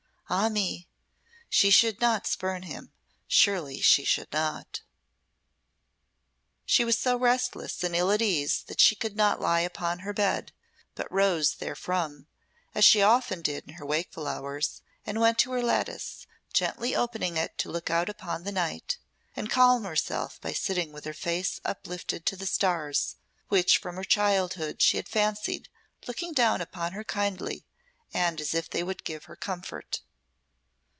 Ah me! She should not spurn him, surely she should not!" She was so restless and ill at ease that she could not lie upon her bed, but rose therefrom, as she often did in her wakeful hours, and went to her lattice, gently opening it to look out upon the night, and calm herself by sitting with her face uplifted to the stars, which from her childhood she had fancied looked down upon her kindly and as if they would give her comfort.